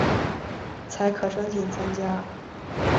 才可申请参加